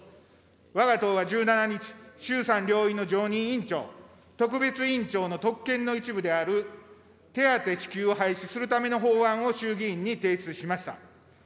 わが党は１７日、衆参両院の常任委員長、特別委員長の特権の一部である手当支給を廃止するための法案を衆議院に提出しました。